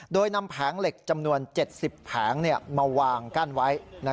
โดยนำแผงเหล็กจำนวน๗๐แผงมาวางกั้นไว้